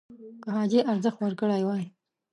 که حاجي ارزښت ورکړی وای